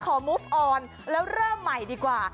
มูฟออนแล้วเริ่มใหม่ดีกว่า